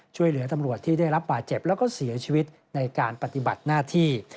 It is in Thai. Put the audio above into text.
ช่วยเหลือตำรวจที่ได้รับบาดเจ็บแล้วก็เสียชีวิตในการปฏิบัติหน้าที่